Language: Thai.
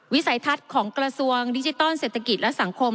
วิสัยทัศน์ของกระทรวงดิจิทัลเศรษฐกิจและสังคม